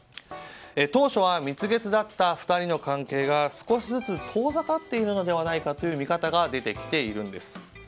当初は蜜月だった２人の関係が少しずつ遠ざかっているのではないかという見方が出てきているんです。